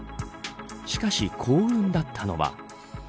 しかし、幸運だったのは。